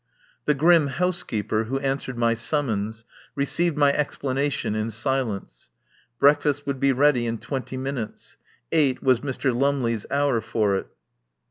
The grim housekeeper, who answered my summons, received my explanation in silence. Breakfast would be ready in twenty minutes; eight was Mr. Lumley's hour for it.